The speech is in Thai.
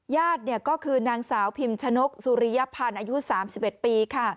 ญาติก็คือนางสาวพิมชนกสุริยพันธ์อายุ๓๑ปีค่ะ